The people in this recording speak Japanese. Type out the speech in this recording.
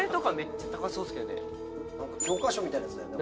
教科書みたいなやつだよね。